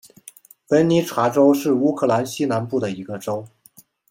文尼察州是乌克兰西南部的一个州。